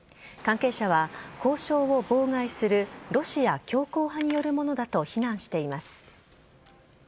関係者は、交渉を妨害するロシア強硬派によるものだと非難しています。